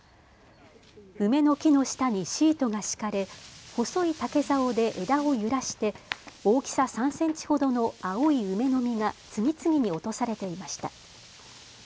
梅の木の下にシートが敷かれ細い竹ざおで枝を揺らして大きさ３センチほどの青い梅の実が次々に落とされていました。